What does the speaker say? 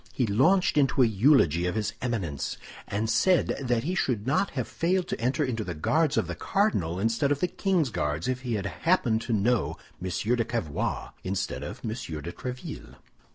He launched into a eulogy of his Eminence, and said that he should not have failed to enter into the Guards of the cardinal instead of the king's Guards if he had happened to know M. de Cavois instead of M. de Tréville.